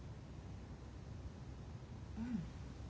うん。